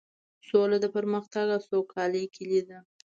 سوله د پرمختګ او سوکالۍ کیلي ده.